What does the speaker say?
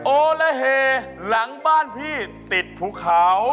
โอละเฮหลังบ้านพี่ติดภูเขา